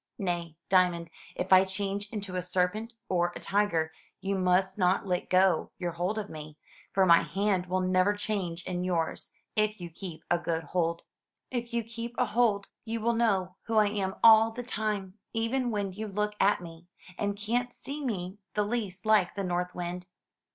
Nay, Diamond, if I change into a serpent or a tiger, you must not let go your hold of me, for my hand will never change in yours if you keep a good hold. If you keep a hold, you will know who I am all the time, even when you look at me and can't see me the least like the North Wind.